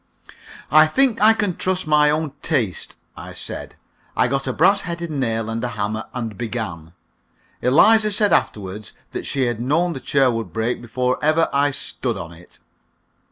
"I think I can trust my own taste," I said. I got a brass headed nail and a hammer, and began. Eliza said afterward that she had known the chair would break before ever I stood on it.